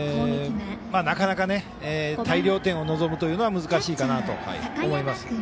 なかなか大量点を望むというのは難しいかなと思います。